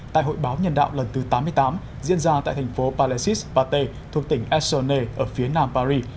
tại hội báo nhân đạo lần thứ tám mươi tám diễn ra tại thành phố palesis pate thuộc tỉnh estone ở phía nam paris